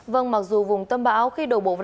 vâng mặc dù vùng tâm bão khi đầu bộ phát triển